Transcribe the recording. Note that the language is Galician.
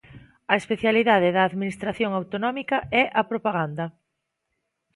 A especialidade da Administración autonómica é a propaganda.